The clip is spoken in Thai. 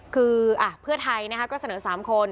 คือเพื่อไทยก็เสนอ๓คน